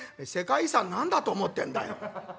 「世界遺産何だと思ってんだよ」。